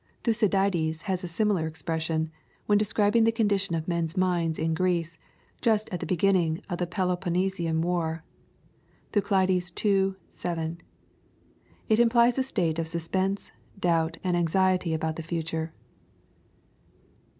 Thucydides has a similar expression, when describing the condition of men's minds in Greece, just at the beginning of the Peloponnesian war. (Thuc. ii. 7.) It implies a state of suspense, doubt, and anxiety, about tlie future.